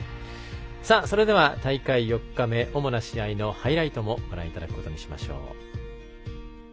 それでは大会４日目主な試合のハイライトもご覧いただきます。